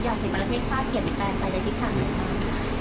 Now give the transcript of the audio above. อยากให้ประเทศชาติเปลี่ยนเปลี่ยนแปลงไปในทิศภัณฑ์ไหนคะ